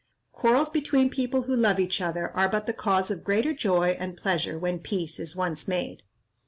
Quarrels between people who love each other are but the cause of greater joy and pleasure when peace is once made.